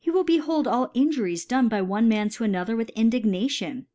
will behold all Injuries done by one Man to another with Indignation.